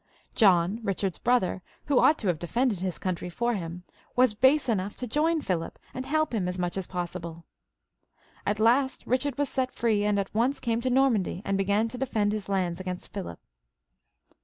John, Eichard's brother, who ought to have defended his country for him, was base enough to join Philip and help him as much as possible. At last Bichard was set free, and at once came to Normandy and began to defend his lands against Philip.